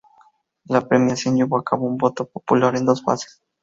La premiación llevó a cabo con voto popular en dos fases.